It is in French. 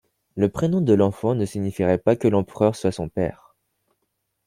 Le prénom de l'enfant ne signifierait pas que l'empereur soit son père.